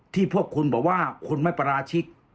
พวกคุณบอกว่าคุณไม่ปราชิก